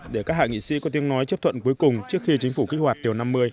để các hạ nghị sĩ có tiếng nói chấp thuận cuối cùng trước khi chính phủ kích hoạt điều năm mươi